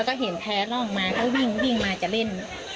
แล้วก็เห็นแพร่ร่องมาเขาวิ่งวิ่งมาจะเล่น